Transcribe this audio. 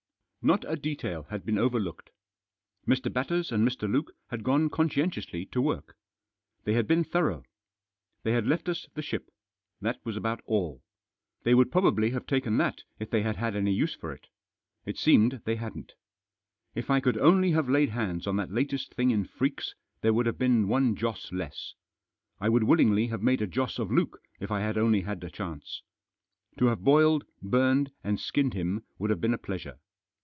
Not a detail had been overlooked. Mr. Batters and Mr. Luke had gone conscientiously to work. They had been thorough. They had left us the ship. That was about all. They would probably have taken that if they had had any use for it It seemed they hadn't. If I could only have laid hands on that latest thing in freaks, there would have been one Joss less. I would willingly have made a Joss of Luke if I had only had a chance. To have boiled, burned, and skinned him would have been a pleasure.